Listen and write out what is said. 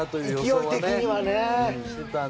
勢い的にはね。